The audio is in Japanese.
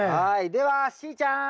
ではしーちゃん！